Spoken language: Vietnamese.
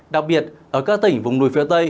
đặc biệt ở các tỉnh vùng núi phía tây